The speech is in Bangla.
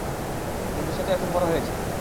কিন্তু সে তো এখন বড় হয়েছে।